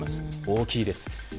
大きいです。